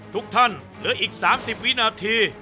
ทุกท่านเหลืออีก๓๐วินาที